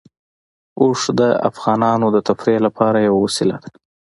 اوښ د افغانانو د تفریح لپاره یوه وسیله ده.